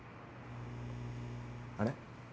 あれ？